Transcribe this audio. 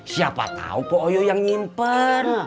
siapa tau pak uyuy yang nyimpen